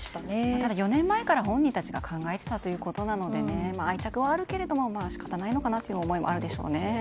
ただ４年前から本人たちが考えていたということなので愛着はあるけれど仕方ないという思いもあるでしょうね。